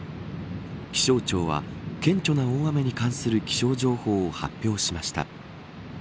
気象庁は顕著な大雨に関する気象情報を発表しました。